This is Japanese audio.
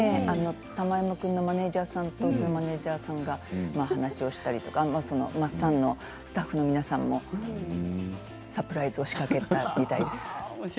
玉山君のマネージャーさんとうちのマネージャーさんが話をしたり「マッサン」のスタッフの皆さんもサプライズを仕掛けたみたいです。